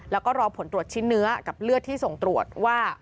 แล้วก็รอผลตรวจชิ้นเนื้อกับเลือดที่ส่งตรวจว่า